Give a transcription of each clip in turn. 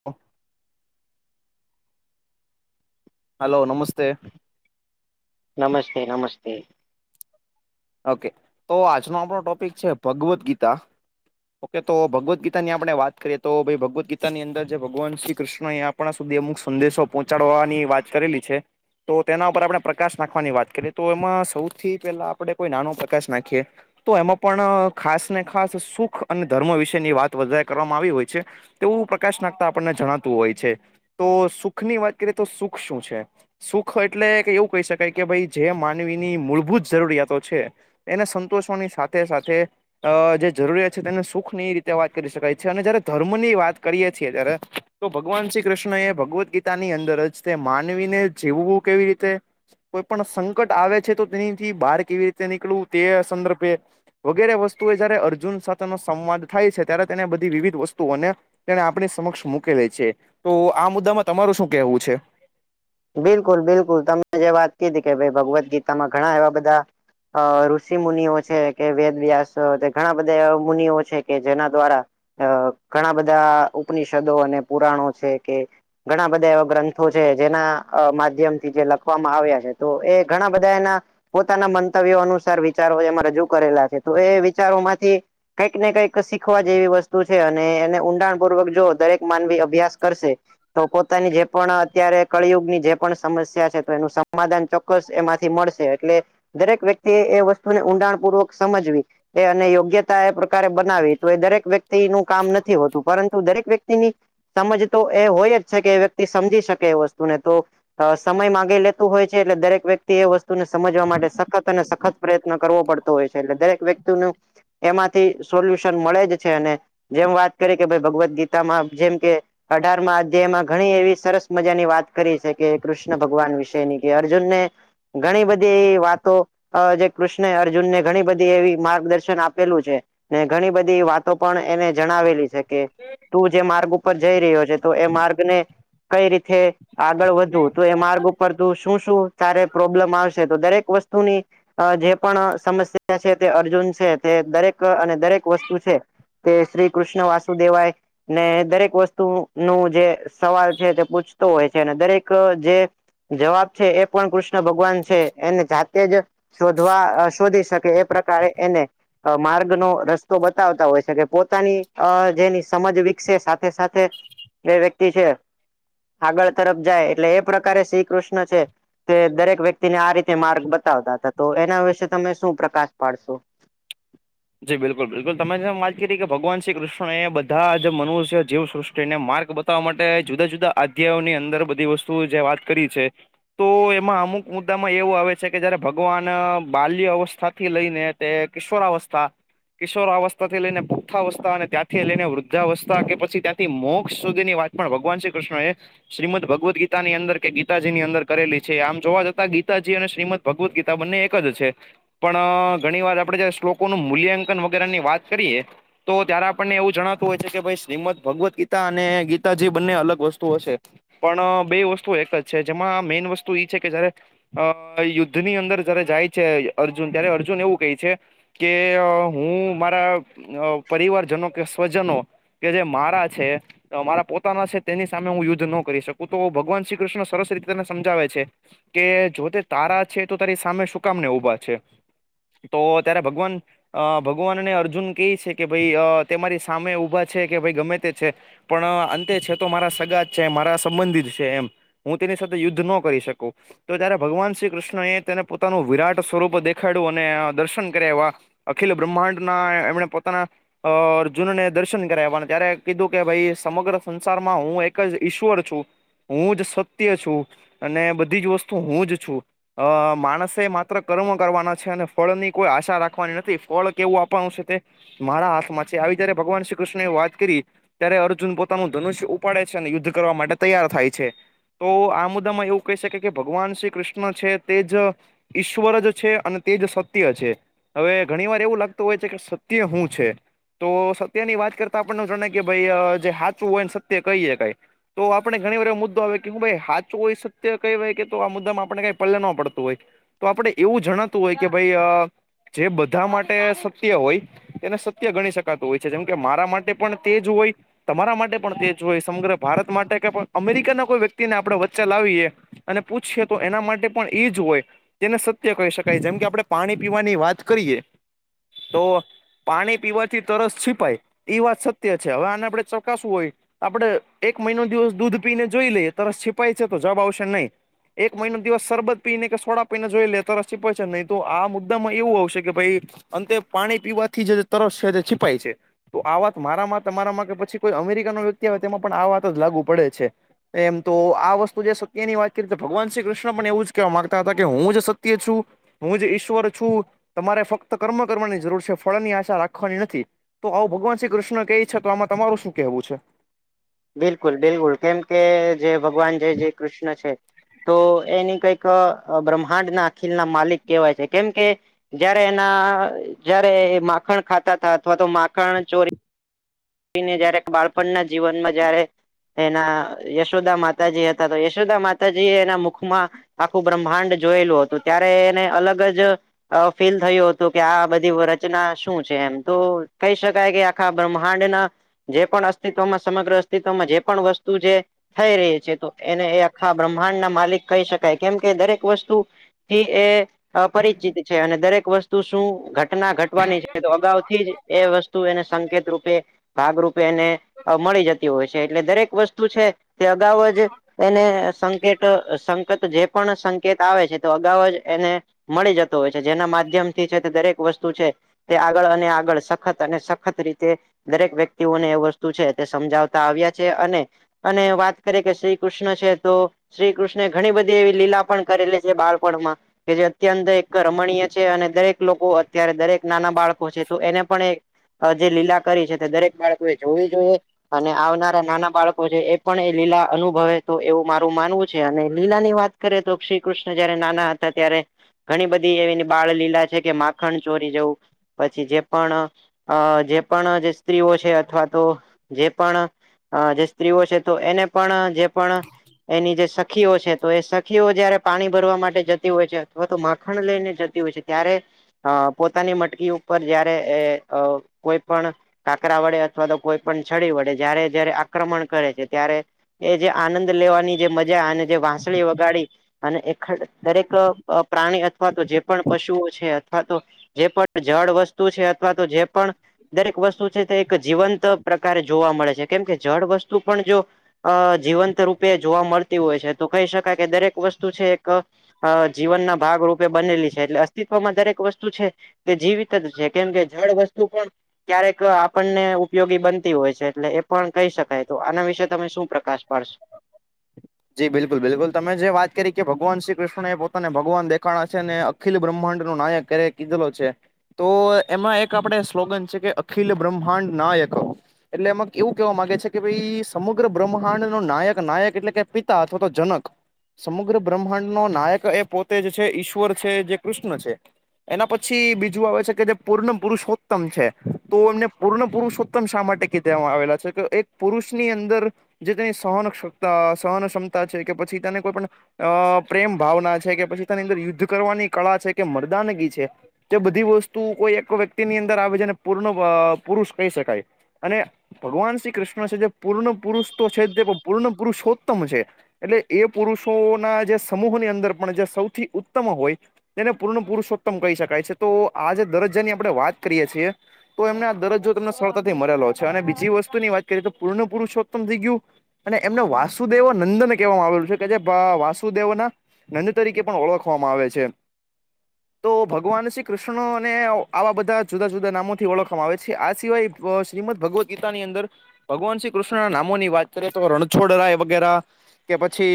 [inaudible] Hello નમસ્તે. નમસ્તે, નમસ્તે. ઓકે તો આજનો આપણો ટોપિક છે, ભગવદ્ ગીતા. ઓકે તો ભગવદ્ ગીતા ની આપણે વાત કરીએ તો ભાઈ ભગવદ્ ગીતાની અંદર જે ભગવાન શ્રી કૃષ્ણ ને આપણા સુધી અમુક સંદેશો પહોંચાડવાની વાત કરેલી છે. તો તેના ઉપર આપણે પ્રકાશ નાખવાની વાત કરીએ તો એમાં સૌથી પહેલા આપડે કોઈ નાનો પ્રકાશ નાખીએ. તો એમાં પણ ખાસ ને ખાસ સુખ અને ધર્મ વિશેની વાત વધારે કરવામાં આવી હોય છે. તેવું પ્રકાશ નાખતા આપણને જણાતું હોય છે, તો સુખ ની વાત કરીએ તો સુખ શું છે? સુખ એટલે કે એવું કહી શકાય કે ભઈ જે માનવીની મૂળભૂત જરૂરિયાતો છે, એને સંતોષવાની સાથે સાથે અ જે જરૂરિયાત છે, તેને સુખ ની રીતે વાત કરી શકાય છે અને જયારે ધર્મ ની વાત કરીએ છીએ ત્યારે તો ભગવાન શ્રી કૃષ્ણ એ ભગવદ્ ગીતા ની અંદર જ તે માનવીને જીવવું કેવી રીતે કોઈ પણ સંકટ આવે છે તો તેનીથી બાર કેવી રીતે નીકળવું તે સંદર્ભે વગેરે વસ્તુઓ જયારે અર્જુન સાથેનો સંવાદ થાય છે, ત્યારે તેને બધી વિવિધ વસ્તુઓ અને તેને આપણી સમક્ષ મૂકેલી છે, તો આ મુદ્દામાં તમારું શું કેહવું છે? બિલકુલ, બિલકુલ તમે જે વાત કીધી કે ભઈ ભગવદ્ ગીતામાં ઘણા એવા બધા અ ઋષિ મુનિઓ છે, કે વેદ વ્યાસ તે ઘણા બધા એવા મુનિઓ છે કે જેના દ્વારા અ ઘણા બધા ઉપનિષદો અને પુરાણો છે કે ઘણા બધા એવા ગ્રંથો છે જેના અ માધ્યમ થી જે લખવામાં આવ્યા છે તો એ ઘણા બધા એના પોતાના મંતવ્યો અનુસાર વિચારો એમાં રજૂ કરેલા છે, તો એ વિચારોમાંથી કઈક ને કઈક શીખવા જેવી વસ્તુ છે અને એને ઊંડાણ પૂર્વક જો દરેક માનવી અભ્યાસ કરશે તો પોતાની જે પણ અત્યારે કળિયુગની જે પણ સમસ્યા છે તો એનું સમાધાન ચોક્કસ એમાંથી મળશે એટલે દરેક વ્યક્તિ એ એ વસ્તુને ઊંડાણ પૂર્વક સમજવી. એ અને યોગ્યતા એ પ્રકારે બનાવી તો એ દરેક વ્યક્તિ નું કામ નથી હોતું પરંતુ દરેક વ્યક તી ની સમજ તો એ હોય જ છે કે એ વ્યક્તિ સમજી શકે એ વસ્તુને તો અ સમય માંગી લેતું હોય છે, એટલે દરેક વ્યક્તિ એ વસ્તુને સમજવા માટે સખત અને સખત પ્રયત્ન કરવો પડતો હોય છે. એટલે દરેક વ્યક્તિનું એમાંથી સોલ્યુશન મળે જ છે અને જેમ વાત કરી કે ભઈ ભગવદ્ ગીતામાં જેમ કે અઢારમાં અધ્યાયમાં ઘણી એવી સરસ મજાની વાત કરી છે. કે કૃષ્ણ ભગવાન વિશેની કે અર્જુન ને ઘણી બધી વાતો અ જે કૃષ્ણએ અર્જુનને ઘણી બધી એવી માર્ગદર્શન આપેલું છે, ને ઘણી બધી વાત તો પણ એને જણાવેલી છે કે તું જે માર્ગ ઉપર જઈ રહ્યો છે તો એ માર્ગ ને કઈ રીથે આગળ વધવું તો એ માર્ગ ઉ પર તો શું શું તારે પ્રોબ્લેમ આવશે તો દરેક વસ્તુની અ જે પણ સમસ્યા છે તે અર્જુન સે તે દરેક અને દરેક વસ્તુ છે. તે શ્રી કૃષ્ણ વાસુદેવાય. ને દરેક વસ્તુ નું જે સવાલ છે, તે પૂછતો હોય છે અને દરેક જે જવાબ છે એ પણ કૃષ્ણ ભગવાન છે એને જાતે જ શોધવા શોધી શકે એ પ્રકારે એને અ માર્ગનો રસ્તો બતાવતા હોય છે, કે પોતાની અ જેની સમજ વિકસે સાથે સાથે એ વ્યક્તિ છે, આગળ તરફ જાય એટલે એ પ્રકારે શ્રી કૃષ્ણ છે. તે દરેક વ્યક્તિને આ રીતે માર્ગ બતાવતા હતા. તો એના વિશે તમે શું પ્રકાશ પાડશો? જી બિલકુલ, બિલકુલ તમે જેમ વાત કીધી કે ભગવાન શ્રી કૃષ્ણ એ બધા જ મનુષ્ય જીવ સૃષ્ટિને માર્ગ ત માટે જુદા જુદા અધ્યાયોની અંદર બધી વસ્તુઓ જે વાત કરી છે. તો એમાં અમુક મુદ્દામાં એવું આવે છે કે જયારે ભગવાન અ બાલ્ય અવસ્થાથી લઈને તે કિશોરાવસ્થા. કિશોરાવસ્થા થી લઈને પુખ્તાવસ્થા અને ત્યાંથી લઈને વૃદ્ધાવસ્થા કે પછી ત્યાંથી મોક્ષ સુધીની વાત પણ ભગવાન શ્રી કૃષ્ણ એ શ્રીમદ ભગવદ્ ગીતાની અંદર કે ગીતાજી ની અંદર કરેલી છે આમ જોવા જતાં ગીતાજી અને શ્રીમદ ભગવદ્ ગીતા બંને એક જ છે પણ ઘણી વાર આપડે જ શ્લોક લોકો ન મૂલ્યાંકન વગેરે ની વાત કરીએ. તો ત્યારે આપણને એવું જણાતું હોય છે કે ભાઈ શ્રીમદ ભગવદ્ ગીતા અને ગીતાજી બંને અલગ વસ્તુ ઓ જે પણ બે વસ્તુ એક જ છે જેમાં મેન વસ્તુ છે કે જયારે અ યુદ્ધ ની અંદર જયારે જાય છે અર્જુન ત્યારે અર્જુન એવું કહે છે. કે હું મારા પરિવારજનો કે સ્વજનો કે જે મારા છે. મારા પોતાના છે તેની સામે હું યુદ્ધ ન કરી શક તો ભગવાન શ્રી કૃષ્ણ સરસ રીતે તેને સમજાવે છે. કે જો તે તારા છે તો તારી સામે શું કામને ઉઊભા છે તો ત્યારે ભગવાન અ ભગવાનને અર્જુન કેહી છે કે ભાઈ તેરી સામે ઊભા છે કે ભાઈ ગમે તે છે. પણ અંતે છે તો મારા સગા જ છે મારા સંબંધિત જ છે એમ. હું તેની સાથે યુદ્ધ ન કરી શકું. તો જયારે ભગવાન શ્રી કૃષ્ણ એ તેને પોતાનું વિરાટ સ્વરૂપ દેખાડ્યું અને દર્શન એવા અખિલ બ્રહ્માંડ ના એમણે પોતાના અ અર્જુનને દર્શન કરાવવા ત્યારે કીધું કે ભાઈ સમગ્ર સંસારમાં હું એક જ ઈશ્વર છું. હું જ સત્ય છું. અને બધી જ વસ્તુ હું જ છું અ માણસે માત્ર કર્મ કરવાના છે અને ફળની કોઈ આશા રાખવાની નથી ફળ કેવું આપવાનું છે તે મારા હાથમાં છે આવી જારે ભગવાન શ્રી કૃષ્ણ એ વાત કરી. ત્યારે અર્જુન પોતાનું ધનુષ્ય ઉપાડે છે અને યુદ્ધ કરવા માટે તૈયાર થાય છે. તો આ મુદ્દામાં એવું કહી શકે કે, ભગવાન શ્રી કૃષ્ણ છે તે જ ઈશ્વર જ છે અને તે જ સત ત્ય છે, હવે ઘણી વાર એવું લાગતું હોય છે કે સત્ય હું છે? તો સત્ય ની વાત કરતા આપણને જણે કે ભાઈ જે સાાચવું હોય ને સત્ય કહી હકાય. તો આપણે ઘણી વાર એ મુદ્દો આવે કે હું ભાઈ સાચું હોય સત્ય કહેવાય કે તો આ મુદ્દામાં આપણે કઈ પલે ન પડતું હોય. તો આપડે એવું જણાતું હોય કે ભાઈ જે બધા માટે સત્ય હોય એને સત્ય ગણી શકાતું હોય. જેમ કે મારા માટે પણ તે જ હોય. તમારા માટે પણ તે જ હોય, સમગ્ર ભારત માટે કે અમેરિકાના કોઈ વ્યક્તિને આપડણે વચ્ચે લાવીએ. અને પૂછીએ તો એના માટે પણ ઈજ હોય, તેને સત્ય કહી શકાય જેમ કે આપડે પાણી પીવાની વાત કરીએ તો પાણી પીવાથી તરસ છીપાય, એ વાત સત્ય છે. હવે આને આપડણે ચકાસવું હોય. આપડે એક મહિનો દિવસ દૂધ પીને જોઈ લઈએ, તરસ છિપાય છે તો જબ આવશે નહી. એક મહિનો દિવસ સરબત પી ને કે સોડા પીને જોઈ લે તરસ છીપાય છે નહી. તો આ મુદ્દામાં એવું આવશે કે ભાઈ, અંતે પાણી પીવાથી જે તરસ છે તે છીપાય છે. તો આ વાત મારામાં તમારામાં કે પછી કોઈ અમેરિકાનો વ્યક્તિ આવે તેમાં પણ આ વાતજ લાગુ પડે છે. એમ તો આ વસ્તુ જે સત્ય ની વાત કરી તો ભગવાન શ્રી કૃષ્ણ પણ એવું જ કહેવા માંગતા હતા કે, હું જ સત્ય છું. હું જ ઈશ્વર છું, તમારે ફક્ત કર્મ કરવાની જરૂર છે, ફળની આશા રાખવાની નથી. તો આવું ભગવાન શ્રી કૃષ્ણ કહે છે, તો આમાં તમારું શું કેહેવું છે? બિલકુલ બિલકુલ, કેમ કે જે ભગવાન જે જે કૃષ્ણ છે. તો એની કઈક અ બ્રહ્માંડ ના અખિલ ના માલિક કહેવાય છે, કેમ કે જયારે એના, જયારે માખણ ખાતા તા અથવા તો માખણ ચોરી એને જયારે બાળપણના જીવનમાં જયારે એના યશોદા માતાજી હતા, તો યશોદા માતાજી એ એના મુખમાં આખું બ્રહ્માંડ જોયેલું હતું, ત્યારે એને અલગ જ અ ફીલ થયું હતું કે આ બધી વ રચના શું છે? એમ તો કહી શકાય કે આખા બ્મ ખાંડના જે પણ અસ્તિત્વમાં સમગ્ર અસ્તિત્વમાં જે પણ વસ્તુ છે. થઈ રહી છે તો એને એ આખા બ્રહ્માંડ ના માલિક કહી શકાય, કેમ કે દરેક વસ્તુ થી એ અ પરિચિત છે, અને દરેક વસ્તુ શું ઘટ ટના ઘટવાની છે, તો અગાઉથી જ એ વસ્તુ એને સંકેત રૂપ તે ભાગરૂપે એને અ મળી જતી હોય છે, એટલે દરેક વસ્તુ છે તે અગાઉ જ એને સંકેત સંકેત જે પણ સંકેત આવે છે તો અગાઉ જ એને મળી જતો હોય છે, જેના માધ્યમથી છે તે દરેક વસ્તુ છે. તે આગળ અને આગળ સખત અને સખત રીતે દરેક વ્યક્તિઓને એ વસ્તુ છે તે સમજાવતા આવ્યા છે, અને અને વાત કરી કે શ્રી કૃષ્ણ છે તો શ્રી કૃષ્ણે ઘણી બધી લીલા પણ કરેલી છે બાળપણમાં. કે અત્યંત એક રમણીય છે, અને દરેક લોકો અત્યારે દરેક નાના બાળકો છે, તો એને પણ એક જે અ લીલા કરી છે, તે દરેક બાળકો એ જોવી જોઈએ. અને આવનારા નાના બાળકો છે એ પણ એ લીલા અનુભવે તો એવું મારું માનવું છે અને લીલા ની વાત કરીએતો શ્રી કૃષ્ણ જયારે નાના હતા ત્યારે ઘણી બધી એ એની બાળ લીલા છે, કે માખણ ચોરી જવું પછી જે પણ અ જે જે સ્ત્રીઓ છે, અથવા તો જે પણ અ જે સ્ત્રીઓ છે તો એને પણ જે પણ એની જે સખીઓ છે, તો એ સખીઓ જયારે પાણી ભરવા માટે જતી હોય છે, અથવા તો માખણ લઈને જતી હોય છે. ત્યારે અ પોતાની મટકી ઉપર જયારે એ અ પણ કાકરા વડે, અથવા તો કોઈ પણ છડી વડે, જ્યારે જયારે આક્રમણ કરે છે ત્યારે એ જે આનંદ લેવાની જે મજા, અને જે વાંસળી વગાડી. અને એ દરેક પ્રાણી અથવા તો જે પણ પશુઓ છે અથવા તો જે પણ જળ વસ્તુ છે અથવા તો જે પણ દરેક વસ્તુ છે તે એક જીવંત પ્રકારે જોવા મળે છે કેમ કે જળ વસ્તુ પણ જો અ જીવંત રૂપે જોવા મળતી હોય છે તો કહી શકાય કે દરેક વસ્તુ છે એક અ જીવનના ભાગરૂપે બનેલી છે, એટલે અસ્તિત્વમાં દરેક વસ્તુ છે. તે જીવિત જ છે, કેમ કે જળ વસ્તુ પણ ક્યારેક આપણને ઉપયોગી બનતી હોય છે, એટલે એ પણ કહી શકાય, તો આના વિશે તમે શું પ્રકાશ પડશ જી બિલકુલ બિલકુલ, તમે જે વાત કરી કે ભગવાન શ્રી કૃષ્ણ એ પોતાને ભગવાન દેખાણા છે, અને અખિલ બ્રહ્માંડ નો નાયક કરે કીધેલો છે. તો એમાં એક આપણે સ્લોગન છે, કે અખિલ બ્રહ્માંડ નાયક. એટલે એમાં એવું કેહેવા માંગે છે કે ભાઈ સમગ્ર બ્રહ્માંડ ન નાયક નાયક એટલે કે અથવા તો જનક સમગ્ર બ્રહ્માંડ નો નાયક એ પોતે જ છે ઈશ્વર છે જે કૃષ્ણ છે એના પછી બીજું આવે છે કે જે પૂર્ણ પુરુષોત્તમ છે તો એમને પૂર્ણ પુરુષોત ઉમ શા માટે કીધેવામાં આવેલા છે કે એક પુરુષ ની અંદર જે તેની સહન કતા સહન ક્મતા છે કે પછી તેને કોઈ પણ અ પ્રેમ ભાવના છે કે પછી તેની અંદર યુદ્ધ કરવાની કળા છે કે મરદાનગી છે તે બધી વસ્તુ કોઈ એક વ્યક્તિની અંદર આવે છેને પૂર્ણ પુરુષ કહી શકાય અને ભગવાન શ્રી કૃષ્ણ છે જે પૂર્ણ પુરુષ તો છે તે પૂર્ણ પુરુષ હો ઉત્તમ છે એટલે એ પુરુષોના જે સમૂહની અંદર પણ જે સૌથી ઉત્તમ હોય તેને પૂર્ણ પુરુષોત્તમ કહી શકાય છે તો આજે દરજ્જાની આપણે વાત કરીએ છીએ તો એમને આ દરજો તમને સરળતાથી મળલો છે અને બીજી વસ્તુની વાત કરી તો પૂર્ણ પુરુષોત્તમ થઈ ગયું અને એમને વાસુદેવ નંદન કહેવામાં આવેલું છે કે જે વાસુદેવ ના નંદ તરીકે પણ ઓળખવામાં આવે છે તો ભગવાન શ્રી કૃષ્ણને આવા બધા જુદા જુદા નામોથી ઓળખવામાં આવે છે આ સિવાય શ્રીમદ ભગવદ્ ગીતા ની અંદર ભગવાન શ્રી કૃષ્ણ નામો ની વાત કરીએ તો રણછોડ વગેરા કે પછી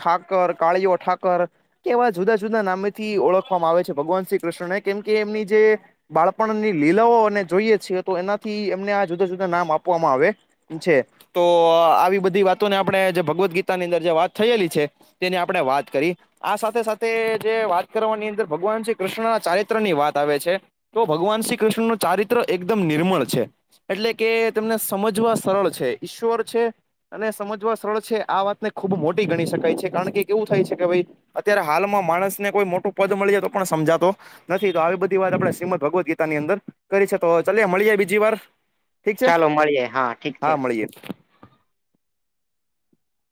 ઠાકર કાળીઓ ઠાકર કે એવા જુદા જુદા નામેથી ઓળખવામાં આવે છે ભગવાન શ્રી કૃષ્ણને કેમ કે એમની જે બાળપણની લીલાઓને જોઈએ છીએ તો એનાથી એમને આ જુદા જુદા નામ આપવામાં આવે. છે તો આવી બધી વાતો ને આપણે જે ભગવદ્ ગીતા ની અંદર જે વાત થયેલી છે. તેની આપણે વાત કરી. આ સાથે સાથે જે વાત કરવાની અંદર ભગવાન શ્રી કૃષ્ણના ચારિત્ર ની વાત આવે છે. તો ભગવાન શ્રી કૃષ્ણનું ચારિત્ર એકદમ નિર્મળ છે. એટલે કે તમને સમજવા સરળ છે ઈશ્વર છે અને સમજ. સ્થળ છે આ વાતને ખુબ મોટી ગણી શકાય છે કારણ કે કેવું થાય છે કે ભાઈ. અત્યારે હાલમાં માણસ ને કોઈ મોટું પદ મળી જાય તો પણ સમજાતો નથી તો આવી બધી વાત આપડણે શ્રીમદ ભગવદ્ ગીતા ની અંદર કરી છે તો ચલ મળી જાય બીજી વાર. ઠીક છે ચાલો મળીએ ઠીક છે હા મળીએ.